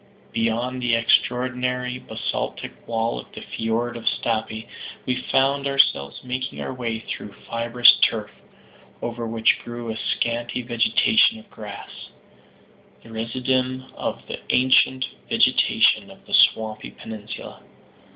Beyond the extraordinary basaltic wall of the fjord of Stapi we found ourselves making our way through fibrous turf, over which grew a scanty vegetation of grass, the residuum of the ancient vegetation of the swampy peninsula.